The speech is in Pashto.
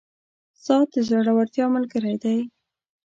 • ساعت د زړورتیا ملګری دی.